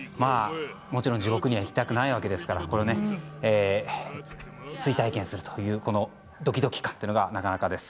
もちろん地獄には行きたくないわけですから追体験するというこのドキドキ感というのがなかなかです。